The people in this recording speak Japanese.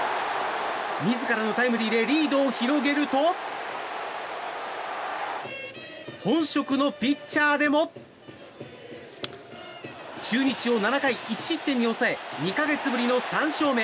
自らのタイムリーでリードを広げると本職のピッチャーでも中日を７回１失点に抑え２か月ぶりの３勝目。